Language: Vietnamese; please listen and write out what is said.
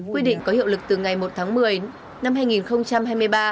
quy định có hiệu lực từ ngày một tháng một mươi năm hai nghìn hai mươi ba